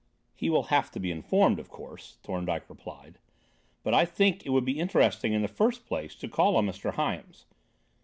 "He will have to be informed, of course," Thorndyke replied; "but I think it would be interesting in the first place to call on Mr. Hyams.